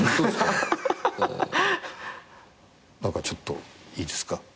ちょっといいですか？